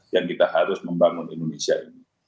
dan kita harus membangun indonesia ini